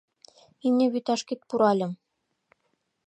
Имне вӱташкет пуральым